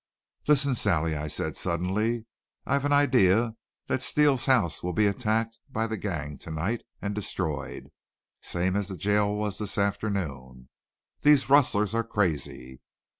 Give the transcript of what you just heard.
"Listen, Sally," I said, suddenly. "I've an idea that Steele's house will be attacked by the gang to night, and destroyed, same as the jail was this afternoon. These rustlers are crazy.